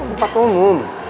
di tempat umum